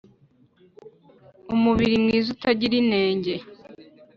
umubiri mwiza utagira inenge